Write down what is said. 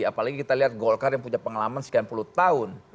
apalagi kita lihat golkar yang punya pengalaman sekian puluh tahun